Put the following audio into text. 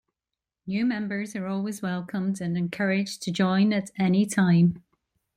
New members are always welcomed and encouraged to join at any time.